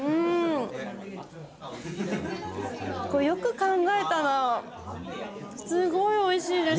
「よく考えたらすごいおいしい」。